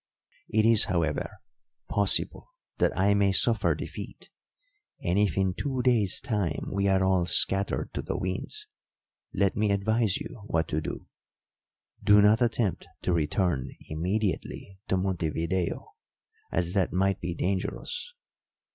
It is, however, possible that I may suffer defeat, and if in two days' time we are all scattered to the winds, let me advise you what to do. Do not attempt to return immediately to Montevideo, as that might be dangerous.